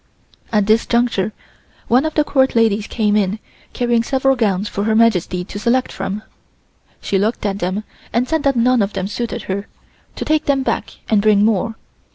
At this juncture one of the Court ladies came in carrying several gowns for Her Majesty to select from. She looked at them and said that none of them suited her, to take them back and bring more.